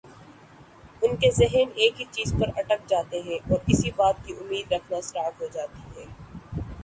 ان کے ذہن ایک ہی چیز پر اٹک جاتے ہیں اور اسی بات کی امید رکھنا اسٹارٹ ہو جاتی ہیں